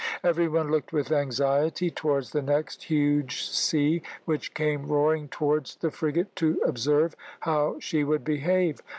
Every one looked with anxiety towards the next huge sea which came roaring towards the frigate, to observe how she would behave.